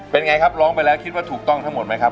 เป็นไงครับร้องไปแล้วคิดว่าถูกต้องทั้งหมดไหมครับ